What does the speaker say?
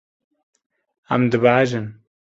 Em dibehecin.